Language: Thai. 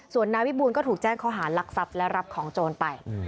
ส่วนนายวิบูลก็ถูกแจ้งข้อหารักทรัพย์และรับของโจรไป